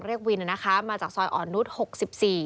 เรียกวินมาจากซอยอ่อนรุษ๖๔